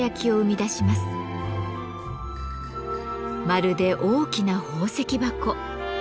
まるで大きな宝石箱。